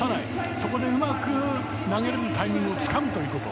そこでうまく投げるタイミングをつかむということ。